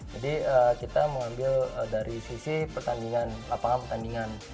jadi kita mengambil dari sisi pertandingan lapangan pertandingan